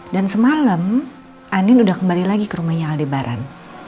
dan semalem andin udah kembali lagi ke rumahnya aldebaran